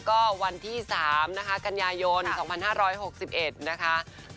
ก็วันที่๓นะคะกันยายน๒๕๖๑นะคะ